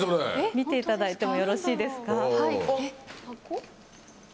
見ていただいてもよろしいですか？